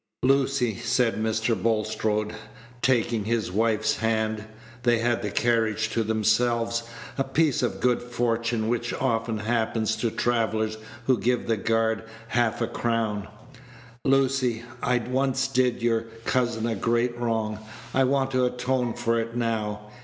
"Lucy," said Mr. Bulstrode, taking his wife's hand (they had the carriage to themselves, a piece of good fortune which often happens to travellers who give the guard half a crown), "Lucy, I once did your cousin a great wrong; I want to atone for it now.